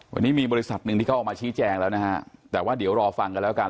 วันนี้มีบริษัทหนึ่งที่เขาออกมาชี้แจงแล้วนะฮะแต่ว่าเดี๋ยวรอฟังกันแล้วกัน